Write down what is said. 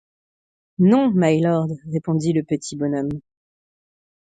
Non, mylord, répondit le petit bonhomme.